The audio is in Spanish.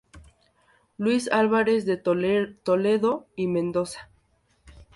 Luis Álvarez de Toledo y Mendoza.